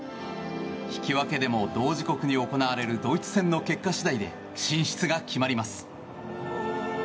引き分けでも、同時刻に行われるドイツ戦の結果次第で進出が決まります。